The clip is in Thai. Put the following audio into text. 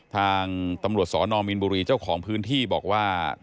ทางตำรวจสนมีนบุรีเจ้าของพื้นที่บอกว่า